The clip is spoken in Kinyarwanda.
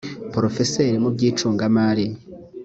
porofeseri mu by icungamari